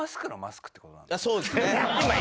そうですね。